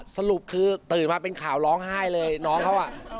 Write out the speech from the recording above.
สรุปคือตื่นมาเป็นข่าวร้องไห้เลยน้องเขาอ่ะ